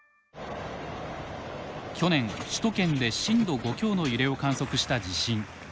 去年首都圏で震度５強の揺れを観測した地震。